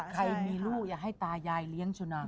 ใครมีลูกอย่าให้ตายายเลี้ยงสุนัข